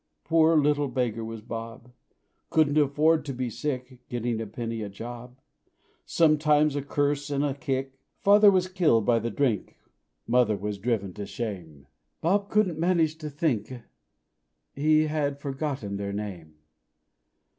Poor little beggar was Bob Couldn't afford to be sick, Getting a penny a job, Sometimes a curse and a kick. Father was killed by the drink; Mother was driven to shame; Bob couldn't manage to think He had forgotten their name.